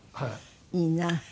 いいな。